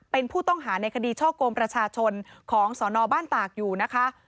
เป็นผู้ต้องหาในคดีช่อกงประชาชนของสนบ้านตากอยู่นะคะ